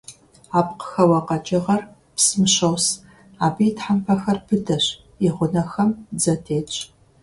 Апкъхэуэ къэкӀыгъэр псым щос, абы и тхьэмпэхэр быдэщ, и гъунэхэм дзэ тетщ.